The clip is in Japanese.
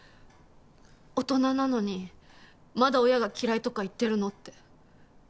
大人なのにまだ親が嫌いとか言ってるの？って。